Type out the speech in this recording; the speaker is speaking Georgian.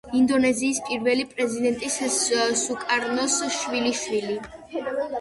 ინდონეზიის პირველი პრეზიდენტის სუკარნოს შვილიშვილი.